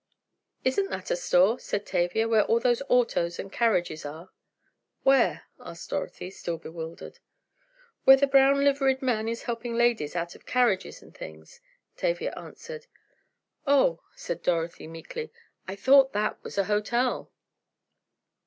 "Isn't that a store," said Tavia, "where all those autos and carriages are?" "Where?" asked Dorothy, still bewildered. "Where the brown liveried man is helping ladies out of carriages and things," Tavia answered. "Oh," said Dorothy meekly, "I thought that was a hotel!"